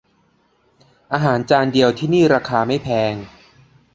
อาหารจานเดียวที่นี่ราคาไม่แพง